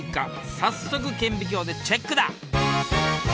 早速顕微鏡でチェックだ！